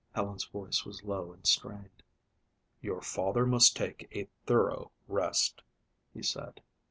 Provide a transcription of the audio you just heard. Helen's voice was low and strained. "Your father must take a thorough rest," he said.